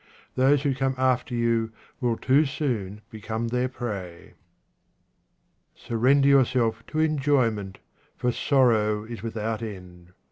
Those who come after you will too soon become their prey. Surrender yourself to enjoyment, for sorrow is without end.